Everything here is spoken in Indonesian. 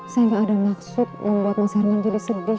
saya gak ada maksud membuat mas herman jadi sedih